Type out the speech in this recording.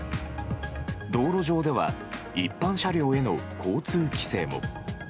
道路上では一般車両への交通規制も。